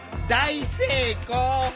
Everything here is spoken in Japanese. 大成功！